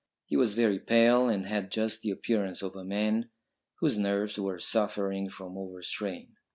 He was very pale and had just the appearance of a man whose nerves were suffering from over strain.